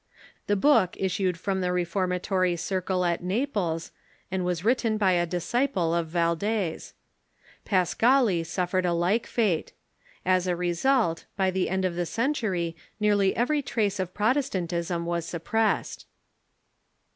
The book issued from the re formatory circle at Naples, and was written by a disciple of Valdes. Paschali suffered a like fate. As a result, by the end of the century nearly every trace of Protestantism was sup pressed.